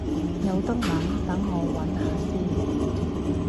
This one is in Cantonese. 有得諗，等我搵下先